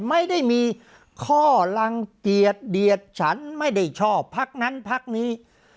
ไม่ได้มีข้อลังเกียจเดียดฉันไม่ได้ชอบพักนั้นพักนี้